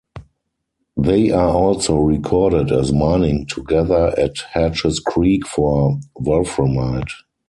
They are also recorded as mining together at Hatches Creek for wolframite.